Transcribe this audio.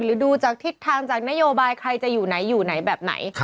หรือดูจากทิศทางจากนโยบายใครจะอยู่ไหนอยู่ไหนแบบไหน